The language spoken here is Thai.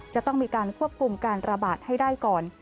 จะต้องมีการควบคุมการระบาดให้ได้ก่อน